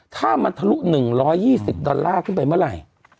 ถ้ามันทะลุ๑๒๐ดอลลาร์ขึ้นไปเมื่อไหร่